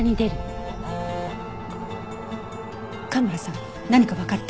蒲原さん何かわかった？